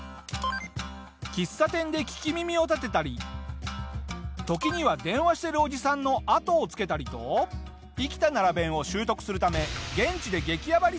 喫茶店で聞き耳を立てたり時には電話してるおじさんの後をつけたりと生きた奈良弁を習得するため。